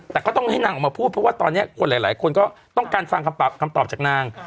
แต่ก็ต้องให้นางออกมาพูดเพราะว่าตอนนี้คนหลายคนก็ต้องการฟังคำตอบจากนาง